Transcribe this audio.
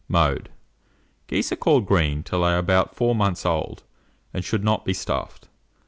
Mode. Geese are called green till they are about four months old, and should not be stuffed.